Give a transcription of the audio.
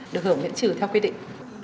được hưởng miễn trừ theo quy định